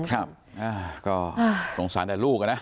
ครับก็สงสารแต่ลูกนะ